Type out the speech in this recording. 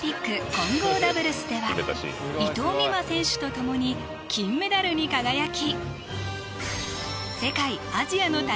混合ダブルスでは伊藤美誠選手と共に金メダルに輝き